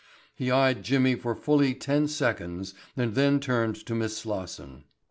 He eyed Jimmy for fully ten seconds and then turned to Miss Slosson.